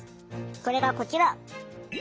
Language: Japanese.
それがこちら！